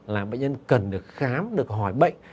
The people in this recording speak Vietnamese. là bệnh nhân cần được khám được hỏi bệnh